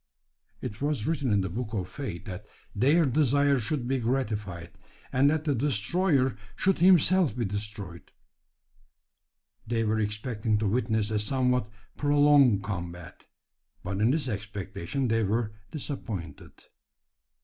It was written in the book of fate that their desire should be gratified, and that the destroyer should himself be destroyed. They were expecting to witness a somewhat prolonged combat; but in this expectation they were disappointed.